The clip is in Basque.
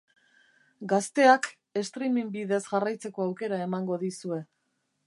Gazteak streaming bidez jarraitzeko aukera emango dizue.